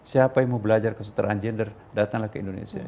siapa yang mau belajar kesetaraan gender datanglah ke indonesia